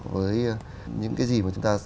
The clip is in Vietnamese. với những cái gì mà chúng ta